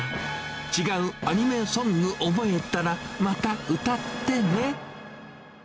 違うアニメソング覚えたら、また歌ってね。